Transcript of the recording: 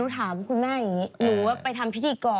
ถามคุณแม่อย่างนี้หนูว่าไปทำพิธีกร